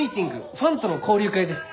ファンとの交流会です。